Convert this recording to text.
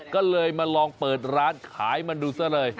ก็เลยมาลองเปิดร้านขายมันดูซะเลย